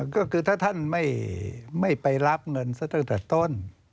ก็คือถ้าท่านไม่ไปรับเงินซะตั้งแต่ต้น